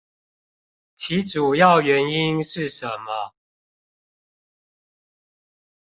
其主要原因是什麼？